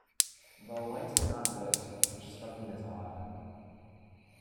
The lights were not lit, which struck me as odd.